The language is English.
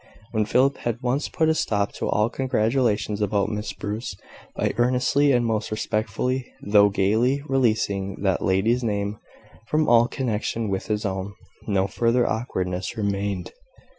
When Philip had once put a stop to all congratulations about Miss Bruce, by earnestly and most respectfully, though gaily, releasing that lady's name from all connection with his own, no further awkwardness remained.